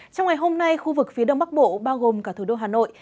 trong ngày hôm nay khu vực phía đông bắc bộ bao gồm cả thủ đô hà nội